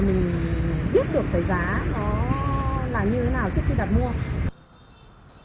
mình biết được cái giá nó là như thế nào trước khi đặt mua